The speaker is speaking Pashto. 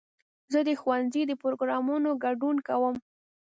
زه د ښوونځي د پروګرامونو ګډون کوم.